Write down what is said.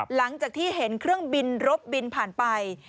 หลังจากที่เห็นเครื่องบินรบบินผ่านไป